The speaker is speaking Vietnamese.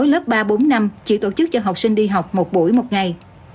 lớp ba bốn năm chỉ tổ chức cho học sinh đi học một buổi một ngày